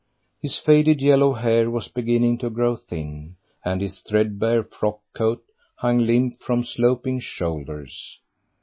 His faded yellow hair was beginning to grow thin, and his threadbare frock coat hung limp from sloping shoulders.